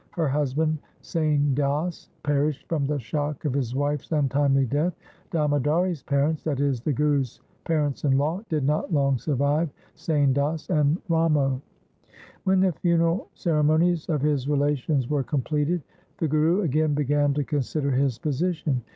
Her husband, Sain Das, perished from the shock of his wife's untimely death. Damodari's parents, that is the Guru's parents in law, did not long survive Sain Das and Ramo. When the funeral ceremonies of his relations were completed, the Guru again began to consider his position.